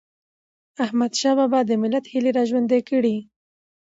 احمدشاه بابا د ملت هيلي را ژوندی کړي.